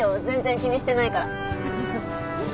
全然気にしてないから。